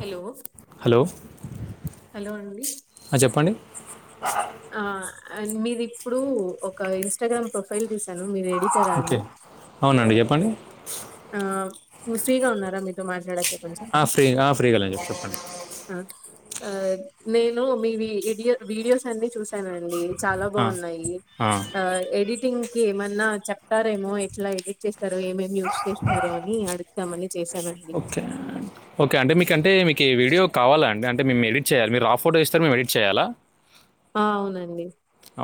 Hello hello hello అండి ఆ, చెప్పండి ఆ అండ్ మీది ఇప్పుడు ఒక ఇన్స్టాగ్రామ్ ప్రొఫైల్ చూసాను మీరు ఎడిటరా ఓకే అండి అవునండి చెప్పండి. ఆ నువ్ ఫ్రీగా ఉన్నారా, మీతో మాట్లాడచ్చ? ఆ ఫ్రీ ఆ ఫ్రీ లే అండి చెప్పండి. ఆ ఆ నేను మీవీ ఇడియో వీడియోస్ అన్ని చూసానండి. చాలా ఆ, బావున్నాయి ఆ ఎడిట్ టింగ్ కి ఏమన్నా చెప్తారేమో ఎట్లా ఎడిట్ చేస్తారో, ఏమేమి యూజ్ చేస్తారో అని అడుగుదామని అని చేవండి ఓకే ఓకే అంటే మీకు అంటే మీకి వీడియో కావాల అండి. అంటే మేము ఎడిట్ చేయాలి మీరు ఆ ఫోటో ఇస్తారూ, మేము ఎడిట్ చేయాలా? అవునండి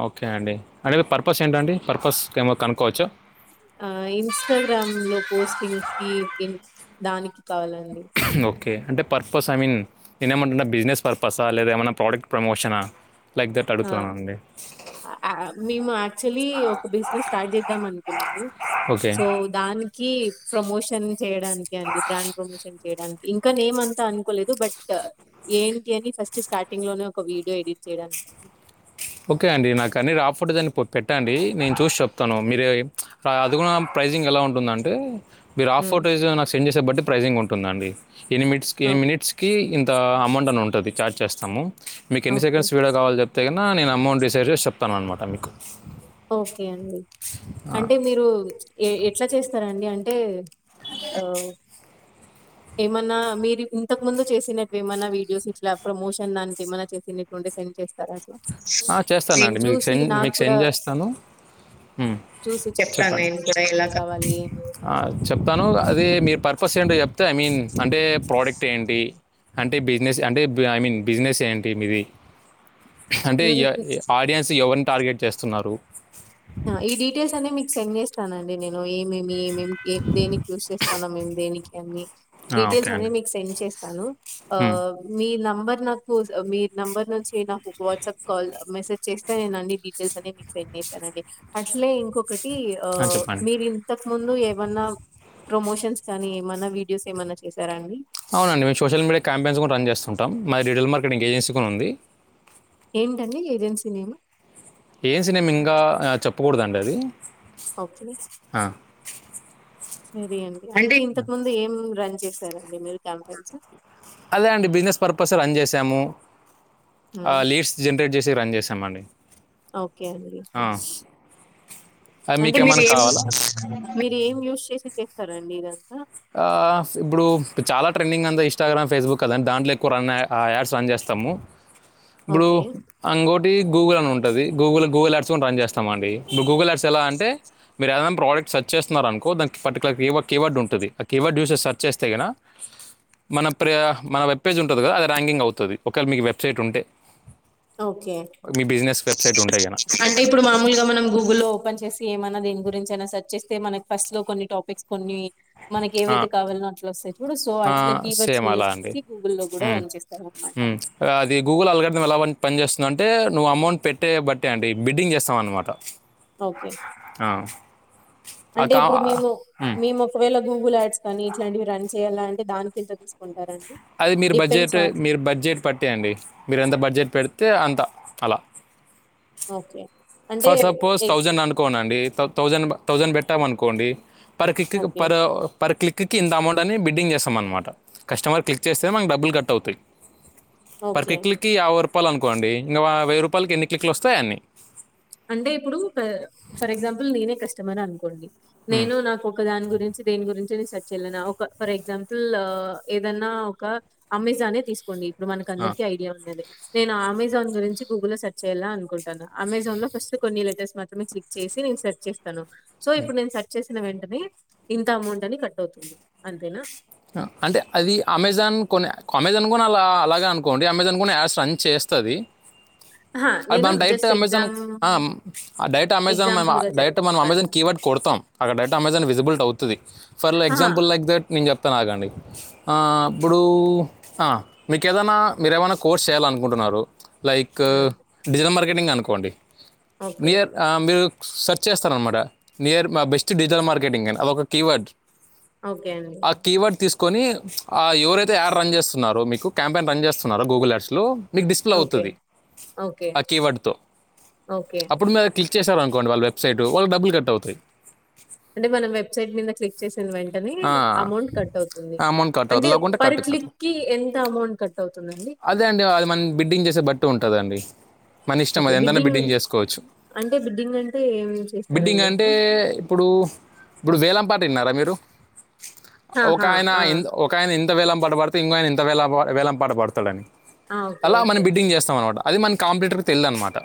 ఓకే అండి అంటే పర్పస్ ఏంటండి పర్పస్కి ఏమో కనుక్కవచ్చు. ఆ ఇన్స్టాగ్రామ్ లో పోస్టింగ్స్ కి ఇన్ దానికి కావాలండి ఓకే అంటే పర్పస్ ఐ మీన్ నేను ఏమంటున బిజినెస్ పర్పసా, లేదా ఏమన్నా ప్రోడక్ట్ ప్రమోషన తెట్ ఆడుతున్నామండి అ ఆ ఔ మేము యాక్చువలీ ఒక బిజినెస్ స్టార్ట్ చేద్దాం అనుకున్నాము. ఓకే సో దానికి ప్రమోషన్ చేయడానికి అండి బ్రాండ్ ప్రమోషన్ చేయడానికి ఇంకా నేమ్ అంతా అనుకోలేదు. బట్ ఏంటి అని ఫస్ట్ స్టార్టింగ్ లోనే ఒక వీడియో ఎడిట్ చేయడానికి ఓకే అండి నాకు అన్ని రా ఫొటోస్ అన్ని పో పెట్టండి నేను చూసి చెప్తాను. మీరు ప్చ్ అదుగుడ ప్రైజింగ్ ఎలా ఉంటుందంటే మీరు ఆఫ్ హ్మ్. ఫొటోస్ నాకు సెండ్ చేసే బట్టి ప్రైజింగ్ ఉంటుందండి. ఇన్ని మిట్స్ ఇ మినిట్స్కి ఇ త అమౌంట్ అని ఉంటది. చార్జ్ చేస్తాము మీకు ఎన్ని ఓకే. సెకండ్స్ వీడియో కావాలి చెప్పి నా నేను అమౌంట్ డిసైడ్ చేసి చెప్తానమాట మీకు ఓకే అండి అంటే మీరు ఎ ఎట్లా చేస్తారండి? ఎంటే ఆ ఏమన్నా మీరు ఇంతకు ముందు చేసినట్టు ఏమన్నా వీడియోస్ ఇట్లా ప్రమోషన్ దానికి ఏమన్నా చేసినకు సెండ్ చేస్తారా అట్లా ఆ నేను చేస్తానండి మీకు చూసి సెండ్ నాకు మీకు కూడా సెండ్ చేస్తాను హుమ్ చూసి చెప్తాను. చెప్పండి నాకు కావాలి ఏమి అని ఆ చెప్తాను అదే మీ పర్పస్ ఏంటో చెప్తే ఐ మీన్ అంటే ప్రోడక్ట్ ఏంటి అంటే బిజినెస్ అంటే ఐ మీన్ బిజినెస్ ఏంటి మీది అంటే ఆడియన్స్ ఎవరిని టార్గెట్ చేస్తున్నరు అ ఈ డీటెయిల్స్ అన్ని మీకు సెండ్ చేస్తానండి నేను ఇ మే మే దేనికి యూస్ చేస్తాన్నామ్ మేము దేనికి అని ఓకే డీటెయిల్స్ అండి అనేయి మీకు సెండ్ చేస్తాను ఆ మ్మ్. మీ న బర్ నాకు మీ నంబర్ నుంచి నాకు వాట్సాప్ కాల్ మెసేజ్ చేస్తే నే అన్ని డీటెయిల్స్ అని మీకు సెండ్ చేస్తానండీ అట్లే ఇంకొకటి అని చెప్పండి మీరు ఇంతకు ముందు ఎ ఏమన్నా ప్రమోషన్స్ కానీ ఏమన్నా వీడియోస్ ఏమన్నా చేస అవునండి మేము సోషల్ మీడియా క్యాంపెయిన్స్ కూడా రన్ చేస్తుంటాం మాది రీటైల్ మార్కెటింగ్ ఏజెన్సీ కూడా ఉంది ఏంటండి ఏజెన్సీ నేమ్ ఏజెన్సీ నేమ్ ఇంకా చెప్పకూడదండి అది ఓకే ఆ, సరే అండి అంటే ఇంతకు ముందు ఏం రన్ చేసారండి మీరు క్యాంపెన్స్ అదే అండి బిజినెస్ పర్పస్ రన్ చేసాము అ హ్మ్. లీడ్స్ జనరేట్ చేసి రన్ చేస్ ఓకే అండి అది అంటే మీకు మీరు ఏమైనా ఏం కావాలా మీరు ఏం యూస్ చేసి చేస్తారండి ఇదంతా ఆ ఇప్పుడు చాలా ట్రెండింగ్ అంతా ఇస్టాగ్రామ్ ఫేస్బుక్ కద దాంట్లో ఎక్కువ రన్ ఆ యాడ్స్ రన్ చేస్ తము ఇప్పుడు ఓకే అంగోటి గూగుల్ అని ఉంటది గూగుల్ గూగుల్ యాడ్స్ కూడా రన్ చేస్తామండి ఇప్పుడు గూగుల్ యాడ్స్ ఎలా అంటే మీరు ఏదైనా ప్రోడక్ట్ సర్చ్ చేస్తున్నారనుకో దానికి పర్టికులర్ రివ్ కీవర్డ్ ఉంటది ఆ కీవర్డ్ యూస్ చేసి సెర్చ్ చేస్తే గిన మన ప్రయా మన వెబ్ పేజ్ ఉంటది కదా అది ర్యాంగింగ్ అవుతది ఒకవేళ మీకు వెబ్సైట్ ఉంటే ఓకే మీ బిజినెస్ వెబ్సైట్ ఉంటే కనుక అంటే ఇప్పుడు మామూలుగా మనం గూగుల్లో ఓపెన్ చేసి ఏమన్నా దేని గురించైనా సెర్చ్ చేస్ స్తె మనక్ ఫస్ట్ లో కొన్ని టాపిక్స్ కొన్ని మనకి ఏవైతే కావాలో అట్లా వస్తే చు డు సో అట్లా కీవర్డ్స్ సేమ్ ని అలా యూస్ అండి చేసి గూగుల్లో లో కూడా మ్మ్. రన్ చేస్తారన్నమాట మ్మ్. అది గూగుల్ అల్గరిథం ఎలా వన్ పని చేేస్తుంది అంటే నువ్వు అమౌంట్ పెట్టే బట్టే అండి బిడ్డింగ్ చేస్తాం అన్నమాట ఓకే ఆ ఆ అంటే కా ఇప్పుడు మేము మ్మ్. మేము ఒకవేళ గూగుల్ యాడ్ స్ కానీ ఇట్లాంటివి రన్ చేయాలి అంటే దానికేంత తీసుకుంటారండి అది మీరు బడ్జెట్ డిపెండ్స్ ఆన్ మీరు బడ్జెట్ పట్టి అండి మీరు ఎంత బడ్జెట్ పెడ్ తే అంత అలా ఓకే అంటే ఫర్ సపోజ్ థౌజండ్ అనుకోన అండి థౌజండ్ థౌజండ్ పెట్టామనుకోండి పర్ క్లిక్ కు ఓకే పరో పర్ క్లిక్ కిక్కి ఇంత అమౌంట్ అని బిడ్డింగ్ చేస్తామ అన్నమాట కస్టమర్ క్లిక్ చేస్తే మానకు డబ్బులు కట్ అవుతాయి పర్ ఓకే కిక్లకి యాభై రూపాయలు అనుకోండి ఇంకా వెయ్యి రూపాయలకి ఎన్ని కిలిక్లు వస్తే అన్నీ అంటే ఇప్పుడు ఫర్ ఎగ్జాంపుల్ నేనే కస్టమర్ అనుకోండి మ్మ్. నేను నాకు ఒక దాని గురించి దేని గురించి చెల్లినా ఒక ఫర్ ఎగ్జాంపుల్ ఏదన్నా ఒక అమెజానే తీసుకోండి ఇప్పుడు ఆ. మనకందరికి ఐడియా ఉన్నది నేను అమెజాన్ గురించి గూగుల్లో లో సెర్చ్ చేయాల అనుకుంటాన అమెజాన్ లో ఫస్ట్ కొన్ని లెటర్ మాత్రే క్లిక్ చేసి నేను సర్చ్ చేస్తాను సో ఇప్పుడు సర్చ్ చెస్ టిన వెంటనే ఇంత అమౌంట్ అని కట్ అవుతుంది అంతేనా అంటే అది అమెజాన్ కొన్ని అమెజాన్ కూడా అలా అలాగే అనుకోండి అమెజాన్ కూడా యాడ్స్ రన్ చేస్ తది అహ అద్ మనం డైట్ అమెజాన్ ఆ మ్ డైట్ అమెజాన్ మనము ఎగ్జాంపుల్‌గా డైట్ మనం చెప్పాను. అమెజాన్ కి వర్డ్ కొడ్తామ్ అక్క డేట అమెజాన్ విజిల్ట్ అవుతుంది ఫర్ అహా! ఎక్సమ్ప్లె లైక్ దట్ నే చెప్ ఆగండి ఆ ఇప్పుడు ఆ మీకేదైనా మీరేమైనా కోర్స్ చేయాలనుకుంటున్నారు లైక్ హ్మ్. డిజిటల్ మార్కెటింగ్ అనుకోండి ఓకే. నియర్ మీరు సెర్చ్ చేస్తారనమాట నియర్ మా బెస్ట్ డిజిటల్ మార్కెటింగ్ అని అదొక కీవర్డ్ ఓకే అండి ఆ కీవర్డ్ తీసుకొని ఎవరైతే యాడ్ రన్ చేస్తున్నారో మీకు క్యాంపెయిన్ రన్ చేస్తున్నారో గూగుల్ యాడ్స్ లో మిక్ డిస్ప్లే ఓకే. అవుతది ఓకే. ఆ కీవర్డ్ తో ఓకే. అప్పుడు మీద క్లిక్ చేశార అనుకోండి వాళ్ళ వెబ్సైట్ వాళ్ళ డబ్బులు కట్ అవుతాయి అంటే మనం వెబ్సైట్ మీద క్లిక్ చేసిన వెంటనే ఆ, అమౌ అమౌంట్ కట్ అవుతుంది ఆ అమౌంట్ కట్ అంటే అవుతుంది లేకుంటే పర్ కట్ కాదు క్లిక్ కి ఎంత అమౌంట్ కట్ అవుతుందండి మ్ బిడ్డింగ్ చేసే బట్టి ఉంటదండి మన ఇష్టం అది ఎంతనా బిడ్డింగ్ చేసుకోవచ్చు అంటే బిడ్డింగ్ అంటే ఏం బిడ్డింగ్ చేస్తారండి అంటే అట్లా? ఇప్పుడు ఇప్పుడు వేలంపాట ఇన్నారా మీరు ఒక ఆహా! ఆయన ఆ! ఇం ఒక ఆయన ఇం ఇంత వేలం పాట పడితే ఇంకా ఆయన ఇంత వే వేలం పాట పడతాడని అని ఆ! ఓకే. అలా మనం ఓకే. బిడ్డింగ్ చేస్తాం అనమాట అది మన కాంప్యూటర్కి తెలియదునమాట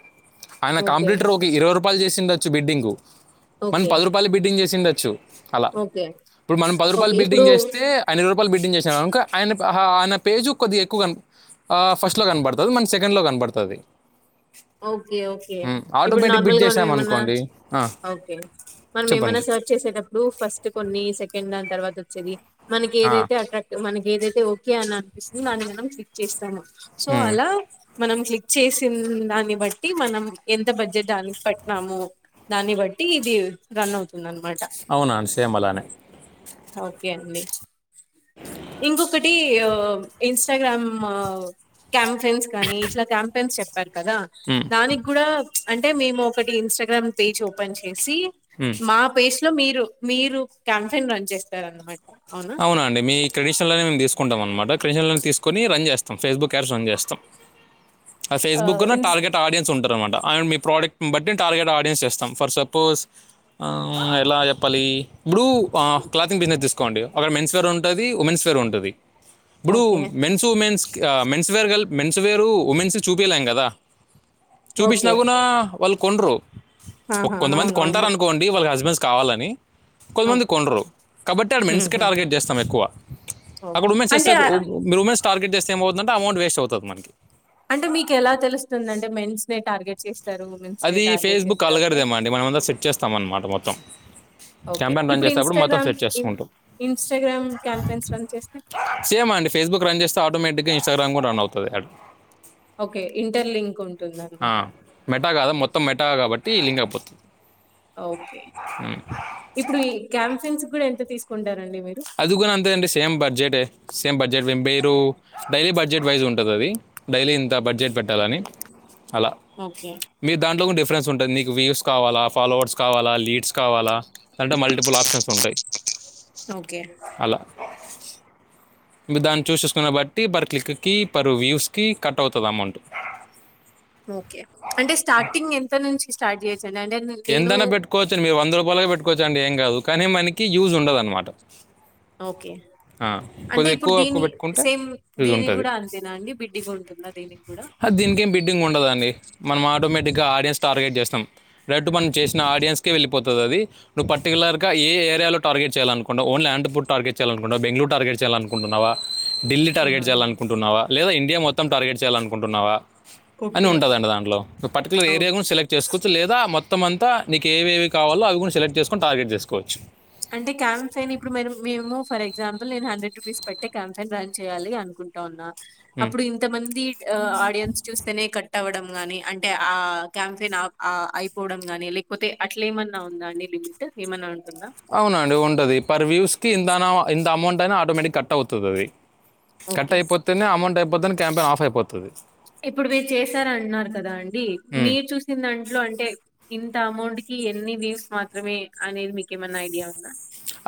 ఆయన ఓకే. కాంప్యూటర్ ఒక ఇరవై రూపాయలు చేసిండొచ్చు బిడ్డింగ్ మన పది రూపాయలు బిడ్డింగ్ చేసిండొచ్చు ఒకే వాల్ బిడింగ్ చేస్త అన్ని రూపాల్ బిడింగ్ గనుక ఆయనా ఆహా ఆయన పేజు కొద్ది ఎక్కువ కన ఆ ఫస్ట్లో కనపడుతుంది మంది సెకండ్లో కనపడతది ఓకే ఓకే ఇప్పుడు బిడ్ నార్మల్గా మనం ఏమన్నా చేసినామనుకోండి ఆ, ఓకే మనం ఏమన్నా చెప్పండి సెర్చ్ చేసేటప్పుడు ఫస్ట్ కొన్ని సెకండ్ ద తర్వాత వచ్చేది మనకి ఆ, ఏదైతే అట్రాక్ట్ మనకి ఏదైతే ఓకే అని అనిపిస్తుంది దాని మనం క్లిక్ చేస్త సో ఉమ్, అలా మనం క్లిక్ చేసింద్ దన్ని బట్టి మనం ఎంత బడ్జెట్ దానికి పట్నము దాన్ని బట్టి ఇది రన్ అవుతుంది అనమాట అవునండి షేమలానే ఓకే అండి ఇంకొకటి ఆ ఇష్టాగ్రామ్ క్యాంపెయిన్స్ కానీ ఇట్లా క్యాంపెన్స్ చెప్ కర్ కదా ఉమ్, దానికి కూడా అంటే మేము ఒకటి ఇన్స్టాగ్రామ్ పేజ్ ఓపెన్ చే సి ఉమ్. మా పేజె లో మీరు మీరు క్యాంపెయిన్ రన్ చేస్తారన్నమాట అవునండి మీ క్రెడిటిషన్లె మేము తీసుకుంటాం అనమాట క్రీటిషన్లోకి తీసుకొని రన్ చేస్తాం ఫాక్ర్బుక్ యాడ్స్ రన్ చేస్తాం ఆ ఫేస్బుక్ నా ఇన్స్ టార్గెట్ ఆడియన్స్ ఉంటార్ అనమాట ఆడ్ మీ ప్రోడక్ట్ని బట్టి టార్గెట్ ఆడియన్స్ చేస్తాం ఫర్ సపోజ్ ఎలా చెప్పాలి బృ ఆ క్లోథింగ్ బిజినెస్ తీసుకోండి అక్కడ మెన్స్ వేర్ ఉంటది ఉమెన్స్ వేర్ ఉంటది బృ ఓకే మేన్స్ ఉమెన్స్ ఆ మెన్స్వేర్ గల్ మెన్స్వేరు ఉమెన్స్ కు చుపియలేం కదా చూపించినా ఓకే గున వాళ్ళు కొనరు ఒక ఆహా కొంతమంది అవును కొంటారు అవును అనుకోండి వాళ్ళ హస్బెండ్ కావాలని కొంతమంది ఓకే కొన్నారు కాబట్టి ఆడ్ మెన్స్ టార్గెట్ చేస్తాం ఎక్కువ అక్కడ ఓకే ఉమెన్స్ చేస్తే అంటే ఉ మీరు ఉమెన్స్ టార్గెట్ చేస్తే ఎం అవుతుందంటే అమౌంట్ వేస్ట్ అవుతది మనకి అంటే మీకు ఎలా తెలుస్తుంది అంటే మేన్స్ నే టార్గెట్ చెస్ అది ఫేస్బుక్ ఆల్గేర్ధం అండి మనమందరం సెట్ చేస్తాం అన్నమాట మొత్తం ఓకే క్యాంపెయిన్ రన్ ఇప్పుడు చేసేటప్పుడు మొత్తం ఇన్స్టాగ్రామ్ సెట్ చేసుకుంటాం ఇన్స్టాగ్రామ్ క్యాంపెన్స్ రన్ చేస్తే సేమ్ అండి ఫేస్బుక్ రన్ చేస్తే ఆటోమేటిక్గా ఇన్గ్రామ్ కూడా రన్ అవుతది అ ఓకే ఇంటర్లింక్ ఉం ఆ మెట కాదా మొత్తం మెటా కాబట్టి లింగైపోతాద్ ఓకే ఇప్పుడు ఈ క్యాంఫిన్స్ కూడా ఎంత తీసుకుంటారండి మీరు? అది గూన అంతే అండి సేమ్ బడ్జెటే సేమ్ బడ్జెట్ వే మీరు డైలీ బడ్జెట్ వైజ్ ఉంటది అది డైలీ ఇంత బడ్జెట్ పెట్టాలని అలా ఓకే. మీరు దాంట్లో కూడా డిఫరెన్స్ ఉంటది మీకు వీవ్స్ కావాలా ఫాలోవర్స్ కావాలా లీడ్స్ కావాలా అంటే మల్టిపుల్ ఆప్షన్స్ ఉంటాయి ఓకే. అలా మీరు దాన్ని చూస్ చూసుకున్న బట్టి పర్ క్లిక్కిి పర్ వ్యూస్ కి కట్ అవుతది అమౌంట్ ఓకే అంటే స్టార్టింగ్ ఎంత నుంచి స్టార్ట్ చేయ్ ఎంతైనా పెట్టుకోవచ్చండి మీరు వంద రూపాయలైన పెట్టుకోవచ్చ అండి ఏం కాదు కానీ మనకి యూజ్ ఉండదన్నమాట ఓకే అంటే ఇప్పుడు ఎక్కువ ఎక్కువ దీని పెట్టుకుంటే సేమ్ యూజ్ దీని ఉంటుంది కూడా అంతేనా అండి బిడ్డింగ్ ఉంటుందా దీనిగూడా దీనికి ఏం బిడ్డింగ్ ఉండదండి మనం ఆటోమేటిక్గా ఆడియన్స్ టార్గెట్ చేస్తాం రెట్ మనం చేసిన ఆడియస్కేళ్లిపోతది అది నువ్వు పర్టికులర్ ఏ గా ఏరియాలో టార్గెట్ చేయాలనుకుంట ఓన్లీ అండ్ పూట్ టార్గెట్ చేయాలనుకుంటున్నావా బెంగుళూరు టార్గట్ చేలనుకుంటున్నావా ఢిల్లీ టార్గెట్ హుహు. చేయాలనుకుంటున్నావా లేదా ఇండియా మొత్తం టార్గెట్ చేయాలనుకుంటున్నావా అని ఓకే. ఉంటదండి దాంట్లో పర్టికులర్ ఓకే. ఏరియా కుడా సెలెక్ట్ చేసుకోవచ్చు లేదా మొ త్తమంతా నీకుఏవేవి కావాలో అవి కూడా సెలెక్ట్ చేసుకొని టార్గెట్ చేసుకోవచ్చు అంటే క్యాంప్స్ ని ఇప్పుడు మే మేము ఫర్ ఎ ఎగ్సాంపుల్ నేను హండ్రెడ్ రూపీస్ పెట్టి క్యాంపైయిన్ రన్ చేయాలి అనుకుంటున్నా ఉమ్. అప్పుడు ఇంతమంది ఆడియన్స్ చూస్తేనే కట్ టవ్వడం గానీ అంటే ఆ క్యాంపెయిన్ ఆప్ అయిపోవడం గానీ లేకపోతే అట్లే ఏమన్నా ఉందాండి లిమిట్ ఏమన్నా ఉన్ అవునండి ఉంటది పర్ వ్యూస్ కి ఇంతన ఇంత అమౌంటని ఆటోమేటిక్ కట్ అవుతది అది కట్ ఓకే అయిపోతేనే అమౌంట్ అయిపోతేనే క్యాంపన్ ఆఫ్ అయిపోతది ఇప్పుడు మీరు చేసారన్నారు కదాండి ఉమ్. మీరు చూసిన దాంట్లో అంటే ఇంత అమౌంట్ కి ఎన్ని వీవ్స్ మాత్రమే అనేది మీకేమన్నా ఐడియా ఉందా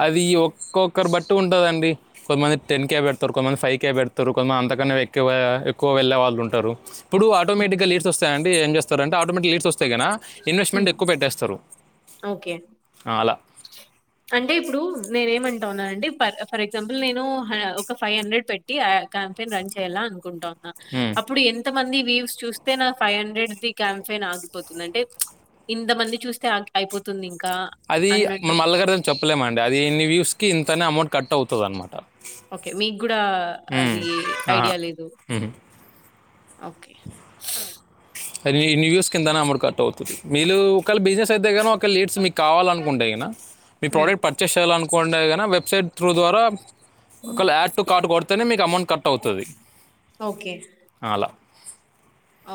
అది ఒక్కొక్కరు బట్టి ఉంటదండి కొంతమంది టెన్ కే బెట్ తర్ కొంతమంది ఫై కె పెడుతరు కొంతమంది అంతకన్నా ఎక్వ ఎక్కువ వెళ్లే వాళ్ళుంటరు అప్పుడు ఆటోమెటిక్గా లీట్స్ వస్తాయండి ఏం చేస్తారంటే ఆటోమేటిక్ లీట్ సోస్తే గిన ఇన్వెస్ట్మెంట్ ఉమ్, ఎక్కువ పెట్టేస్తరు ఓకే అ అలా అంటే ఇప్పుడు నేనేమం టున్ననండి పర్ ఫర్ ఎగ్జాంపుల్ నేను హా ఒక ఫైవ్ హండ్రెడ్ పెట్టి ఆ క్యాంపెయిన్ రన్ చేయాలా అనుకుంటా న్న ఉమ్. అప్పుడు ఎంత మంది వ్యూస్ చూస్తే నా ఫైవ్ హండ్రెడ్ ది క్యాంఫయిన్ ఆగిపోతుంది అంటే ఇంతమంది చూస్తే అ అయిపోతుంది ఇంకా అది మన అన్నట్టు. మల్లగారన్ చెప్పలేమండి అది ఇన్ని వ్యూస్ కి ఇంతన్ అమౌంట్ కట్ అవుతది అనమాట ఓకే మీక్కుడా అది ఐడియా లేదుఓ అనమాట ఇన్ని వ్యూస్కి ఇంతని అమౌంట్ కట్ అవుతది మీలో ఒకేళ బిజినెస్ అయితే గాని ఒక లీడ్స్ మీకు కావాలనుకుంటే గినా మీ హ్మ్. ప్రోడక్ట్ పర్చేస్ చేయాలనుకు కొండే గిన వెబ్సైట్ త్రూ ద్వారా ఒకవేళ యాడ్ టు కార్డు కొడితేనే మీకు అమౌంట్ కట్ అవుతది ఓకే. అలా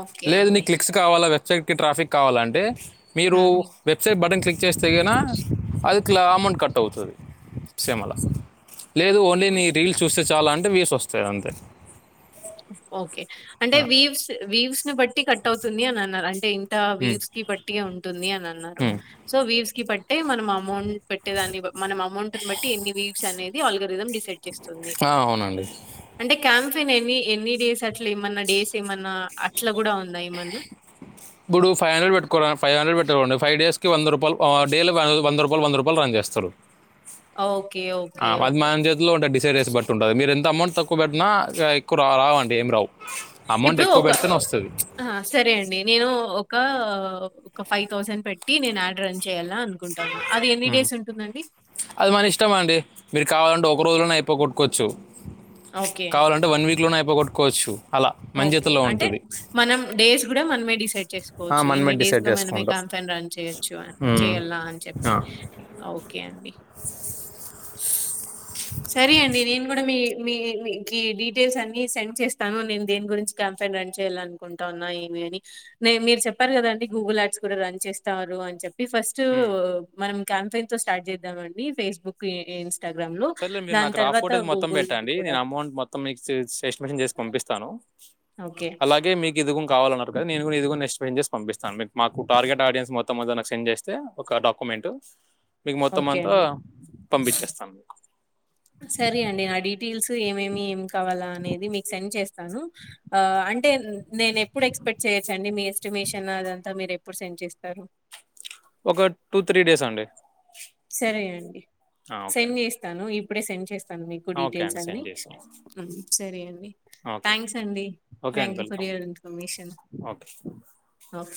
ఓకే లేదు నీ అండి. క్లిక్స్ కావాలా వెబ్సైట్కి ట్రాఫిక్ కావాలాంటే మీరు హ్మ్. వెబ్సైట్ బటన్ క్లిక్ చేస్తేగిన అదిట్ల అమౌంట్ కట్ అవుతది సేమ్ అలా. లేదు ఓన్లీ నీ రీల్స్ చూస్తే చాలు అంటే వ్యూస్ వస్తాయి అంతే. ఓకే అంటే ఆ. వీవ్స్ వీవ్స్ ని బట్టి కట్ అవుతుంది అని అన్నారు అంటే. ట్ ఉమ్. వీవ్స్ కి బట్టియే ఉంటుంది అని అన్నారు ఉమ్. సో వీవ్స్ కి పట్టే మనం అమౌం పెట్టేదాన్ని మనం అమౌంట్ బట్టి ఇన్ని వీవ్స్ అనేది అల్గరిదం డిసైడ్ స్తుంది ఆ, అవునండి అంటే కంఫన్ ఏమి ఎన్ని డేస్ అట్లా ఏమన్నా డేస్ ఏమన్నా అట్లా కూడా ఉందా ఏమన్నా. ఇప్పుడు ఫైవ్ హండ్రడ్ పెట్కోర ఫైవ్ హండ్రెడ్ పెట్. ఆహ్ అంటే ఫైవ్ డేస్ కి వంద రూపాయలు ఆహ్ డేల వంద రూపాయలు వంద రూపాయలు రన్ చేస్తారు. ఓకే. అ ఓకే. అద్ ఓకే. మాన్ జేతు లో ఉంటది డిసైడ్ జేస్ ఫస్ట్ ఉంటది మీరేన్ త అమౌంట్ తక్కువ పెట్టినా ఎక్కువ రా రావండి ఏం రావు ఇప్ అమౌంట్ డు ఎక్కువ ఒక పెడితేనే వస్తుంది అ సరే అండి నేను ఓ ఒక ఒ క ఫై థౌసండ్ పెట్టి నేను అడ్ రన్ చ్ జేయాలా అనుకుంటాన్నా అది ఎన్ని డేస్ ఉంటుందండి అద్ మన ఇష్టమండి మీరు కావాలంటే ఒక రోజులోనే అయిపోగోట్ కోచ్చు ఓకే. కావాలంటే వన్ వీక్లోనే అయిపోగొట్టుకోచ్చు ఓకే అంటే మనం డేస్ గుడా మనమే డిసైడ్ ఆ, చేసుకోవచ్చు. మనమే ఇన్ని డేస్ డిసైడ్ లో మనమే చేసుకుంటాం కంపెన్ రన్ చేయచ్చు ఉమ్. చెయల్న ఆన్ చెప్పి ఆ. అ ఓకే అండి సరీ అండి నేన్ గుడా మీ మీ మీ జీ డీటెల్ స్ అన్ని సెండ్ చేస్తాను నేన్ దేని గురించి క్యాంపయిన్ రన్ చేయాలన్కుంటా ఉన్నా ఏమి అని మేం మీరు చెప్పారు గదండి గూగుల్ యాడ్స్ కూడా రన్ చే ఇస్తారు అని చెప్పి ఫస్ట్ ఉమ్. మనం కాంపయిన్ తో స్టార్ట్ జేద్దాం అండి. ఫేస్బుక్ ఇం సర్లే మీరు నాకు రాఫ్ ఫోటోజ్ మొత్తం పెట్టండి కూడా. నేను అమౌంట్ మొత్తం మీకు ఎస్టిమేషన్ చేసి పంపిస్తాను ఓకే. అలాగే మీకు ఇదిగుం కావాలన్నారు కద నేను గుడా ఇది గూడా నెస్టిఫైన్ చేసి పంపిస్త అండి మాకు టార్గెట్ ఆడియన్స్ మొత్తం ఓసారి నాక్ సెండ్ జేస్తే ఒక డాక్య మెంట్ మీకు మొత్తం ఓకే అంతా అండి. పంపించేస్తాను మీ సరే అండి నా డీటెయిల్స్ ఏమేమి ఏం కావాలా అనేది మీకు సెండ్ చేస్ తను ఆ అంటే నేనేప్పుడు ఎక్స్ స్పెక్ట్ చేయోచ్చండి మీస్ ఎస్టిమేషన్ అదంతా మీరు ఎప్పుడు సెండ్ చేస్తారు ఒకడ్ టూ త్రీ డేస్ అండి సరేయండి ఓకే సెండ్ ఎస్తాను ఇపుడే సెండ్ చేస్తాను మీకు ఓకే డీటెల్సు అండి అన్ని సెండ్ చేసి ఉమ్ సరే అండి ఓకే థ్యాంక్స్ అండి ఓకే అండి thank you for welcome your information okay న్ఫ్